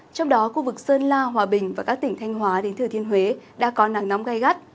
trong đó khu vực sơn la hòa bình và các tỉnh thanh hóa đến thừa thiên huế đã có nắng nóng gai gắt